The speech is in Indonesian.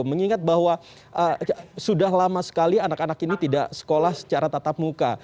mengingat bahwa sudah lama sekali anak anak ini tidak sekolah secara tatap muka